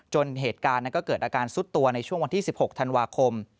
เหตุการณ์ก็เกิดอาการซุดตัวในช่วงวันที่๑๖ธันวาคม